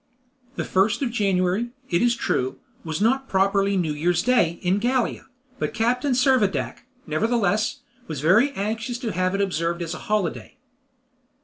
The 1st of January, it is true, was not properly "New Year's Day" in Gallia, but Captain Servadac, nevertheless, was very anxious to have it observed as a holiday.